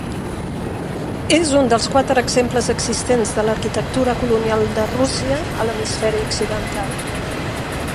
És un dels quatre exemples existents de l'arquitectura colonial de Rússia a l'hemisferi occidental.